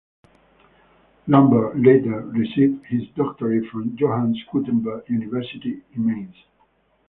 Lambe later received his doctorate from Johannes Gutenberg University in Mainz.